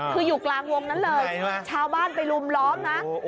คืออยู่กลางวงนั้นเลยชาวบ้านไปลุมล้อมนะ